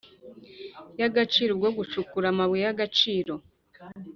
y agaciro ubwo gucukura amabuye y agaciro